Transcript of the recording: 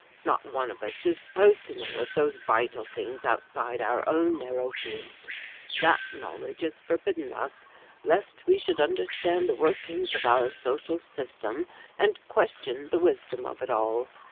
Not one of us is supposed to know of those vital things outside our own narrow field. That knowledge is forbidden us lest we should understand the workings of our social system and question the wisdom of it all.